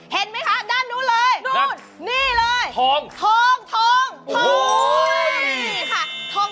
เห็นไหมคะด้านนู้นเลยนี่เลยทอง